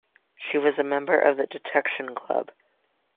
She was a member of the Detection Club.